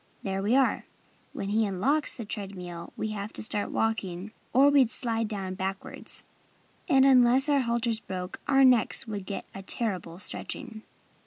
There we are! When he unlocks the tread mill we have to start walking or we'd slide down backwards; and unless our halters broke, our necks would get a terrible stretching."